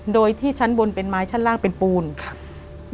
โดยที่ชั้นบนเป็นไม้ชั้นล่างเป็นปูนครับ